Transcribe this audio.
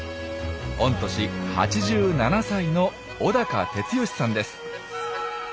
御年８７歳の尾徹義さんです。